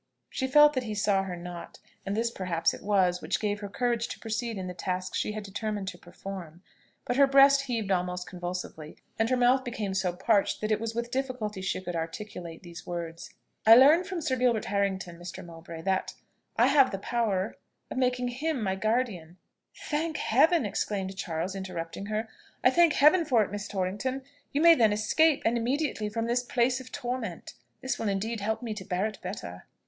She felt that he saw her not, and this perhaps it was which gave her courage to proceed in the task she had determined to perform; but her breast heaved almost convulsively, and her mouth became so parched that it was with difficulty she could articulate these words: "I learn from Sir Gilbert Harrington, Mr. Mowbray that I have the power of making him my guardian" "Thank Heaven!" exclaimed Charles, interrupting her; "I thank Heaven for it, Miss Torrington. You may then escape, and immediately, from this place of torment. This will indeed help me to bear it better."